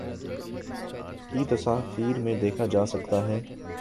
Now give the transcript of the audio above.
کی تصاویر میں دیکھا جاسکتا ہے